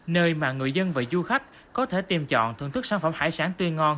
nơi mà người dân và du khách có thể tìm chọn thưởng thức sản phẩm hải sản tươi ngon